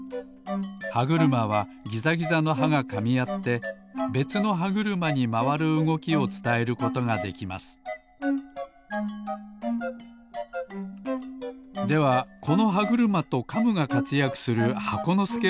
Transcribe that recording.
歯車はギザギザの歯がかみあってべつの歯車にまわるうごきをつたえることができますではこの歯車とカムがかつやくする箱のすけをみてみましょう